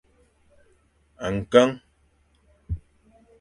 Nkeng!